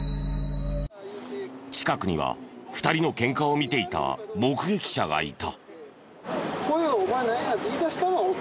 近くには２人のケンカを見ていた目撃者がいた。